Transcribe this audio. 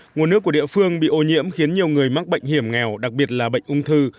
nguồn nước của địa phương bị ô nhiễm khiến nhiều người mắc bệnh hiểm nghèo đặc biệt là bệnh ung thư